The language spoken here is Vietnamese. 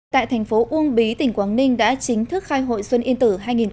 tại thành phố uông bí tỉnh quảng ninh đã chính thức khai hội xuân yên tử hai nghìn hai mươi